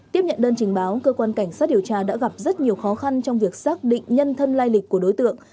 tiếp nhận đơn trình báo cơ quan cảnh sát điều tra đã gặp rất nhiều khó khăn trong việc xác định nhân thân lai lịch của đối tượng